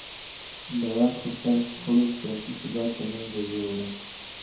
د واک پر سر شخړو سياسي ثبات له منځه يووړ.